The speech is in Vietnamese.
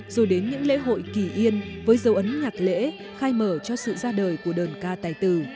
rồi đến những lễ hội kỳ yên với dấu ấn nhạc lễ khai mở cho sự ra đời của đơn ca tài tử